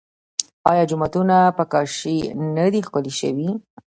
آیا جوماتونه په کاشي نه دي ښکلي شوي؟